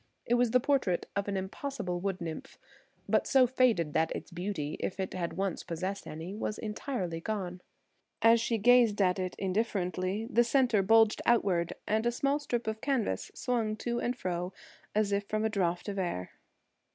It was the portrait of an impossible wood nymph, but so faded that its beauty–if it had once possessed any–was entirely gone. As she gazed at it indifferently the centre bulged outward, and a small strip of canvas swung to and fro as if from a draught of air.